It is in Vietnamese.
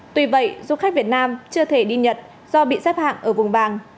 tuy vậy du khách việt nam chưa thể đi nhật do bị xếp hạng ở vùng vàng